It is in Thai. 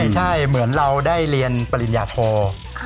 ใช่เหมือนเราได้เรียนปริญญาโท